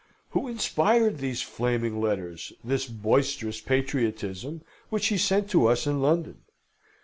Who inspired these flaming letters, this boisterous patriotism, which he sent to us in London?